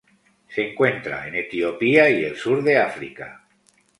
Se encuentra en Etiopía y el sur de África.